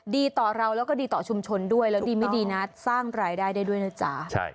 ดีต่อเราแล้วก็ดีต่อชุมชนด้วยแล้วดีไม่ดีนะสร้างรายได้ได้ด้วยนะจ๊ะ